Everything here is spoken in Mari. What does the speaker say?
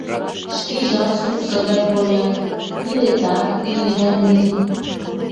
Шкежат суксо гай коят, пӱретат ӱй да мӱй.